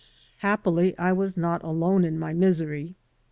Happily I was not alone in my misery.